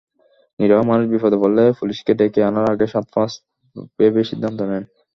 নিরীহ মানুষ বিপদে পড়লে পুলিশকে ডেকে আনার আগে সাতপাঁচ ভেবে সিদ্ধান্ত নেন।